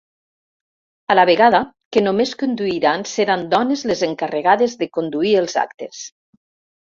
A la vegada, que només conduiran seran dones les encarregades de conduir els actes.